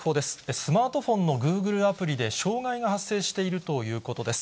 スマートフォンのグーグルアプリで、障害が発生しているということです。